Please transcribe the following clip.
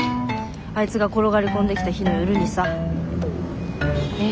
あいつが転がり込んできた日の夜にさ。